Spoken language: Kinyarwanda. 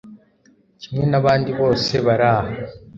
kimwe nabandi bose baraha